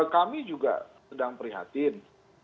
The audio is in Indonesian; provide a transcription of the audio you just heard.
kami juga sedang prihatin